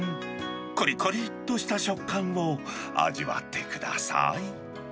こりこりっとした食感を味わってください。